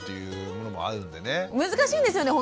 難しいんですよね